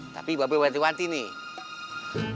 tapi pak be berhenti henti nih